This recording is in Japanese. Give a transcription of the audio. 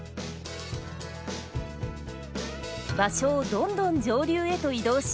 場所をどんどん上流へと移動し